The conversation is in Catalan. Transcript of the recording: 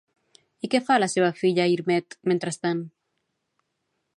I què fa la seva filla Airmed mentrestant?